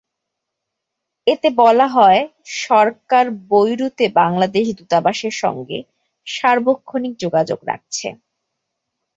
এতে বলা হয়, সরকার বৈরুতে বাংলাদেশ দূতাবাসের সঙ্গে সার্বক্ষণিক যোগাযোগ রাখছে।